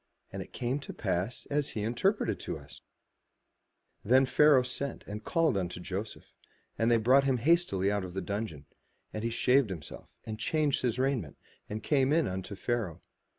And it came to pass, as he interpreted to us/' Then Pharaoh sent and called Joseph, and they brought him hastily out of the dungeon: and he shaved himself, and changed his raiment, and came in unto Pharaoh.